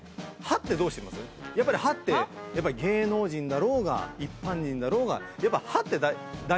やっぱり歯って芸能人だろうが一般人だろうが。